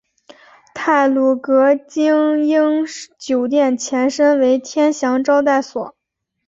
太鲁阁晶英酒店前身为天祥招待所。